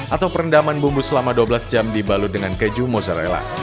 atau perendaman bumbu selama dua belas jam dibalut dengan keju mozzarella